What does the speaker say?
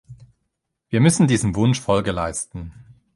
Wir müssen diesem Wunsch Folge leisten.